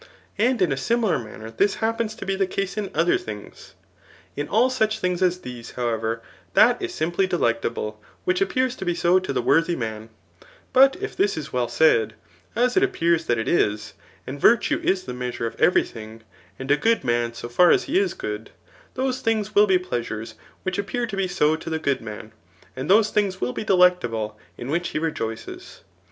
And in a similar man ner this happens to be the case in other things. In all such things as these, however, that [Is simply delectable J which appears to be so to the worthy man« But if this is well said, as it appears that it is, and virtue is the measure of every thing, and a good man so far as he is good, those things wilt be pleasures which appear to be so to the good man, and those things will be delectable in which he rejoices.